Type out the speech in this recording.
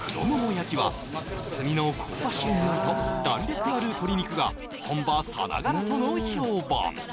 焼きは炭の香ばしい匂いと弾力ある鶏肉が本場さながらとの評判